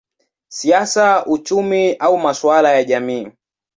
siasa, uchumi au masuala ya jamii.